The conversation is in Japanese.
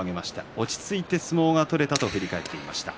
落ち着いて相撲が取れたと振り返っていました。